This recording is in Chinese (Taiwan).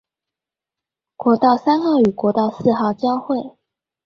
國道三號與國道四號交會